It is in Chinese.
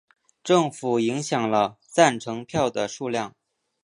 政府影响了赞成票的数量。